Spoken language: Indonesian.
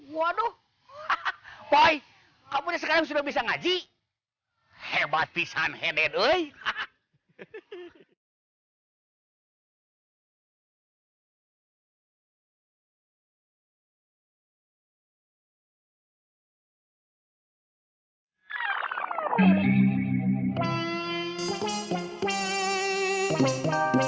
waduh boy kamu sekarang sudah bisa ngaji hebat pisan head end ui hahaha